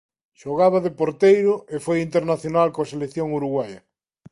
Xogaba de porteiro e foi internacional coa selección uruguaia.